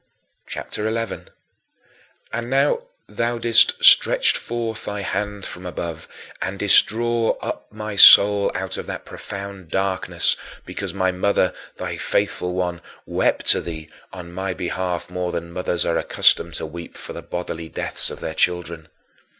CHAPTER XI 19. And now thou didst "stretch forth thy hand from above" and didst draw up my soul out of that profound darkness [of Manicheism] because my mother, thy faithful one, wept to thee on my behalf more than mothers are accustomed to weep for the bodily deaths of their children.